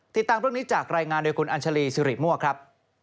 ติดตามเรื่องนี้จากรายงานโดยคุณอัญชาลีสิริมั่วครับ